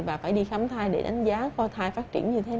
và phải đi khám thai để đánh giá coi thai phát triển như thế